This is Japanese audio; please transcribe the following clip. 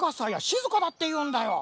しずかだっていうんだよ。